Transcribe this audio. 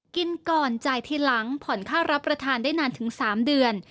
กินก่อนจ่ายทีหลังผ่อนค่ารับประทานได้นานถึง๓เดือน